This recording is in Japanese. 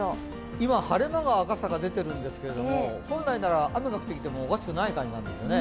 今、晴れ間が赤坂、出てるんですけれども本来なら雨が降ってきてもおかしくないんですよね。